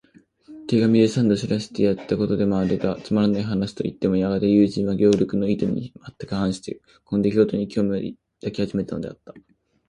手紙で三度知らせてやったことであるが、つまらない話といってもやがて友人は、ゲオルクの意図にはまったく反して、この出来ごとに興味を抱き始めたのだった。